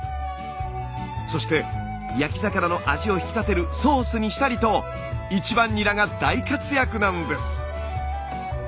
そして焼き魚の味を引き立てるソースにしたりと１番ニラが大活躍なんです。